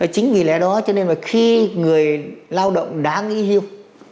chính vì lẽ đó cho nên mà khi người lao động đã nghỉ hưu